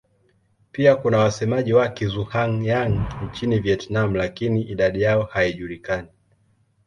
Pia kuna wasemaji wa Kizhuang-Yang nchini Vietnam lakini idadi yao haijulikani.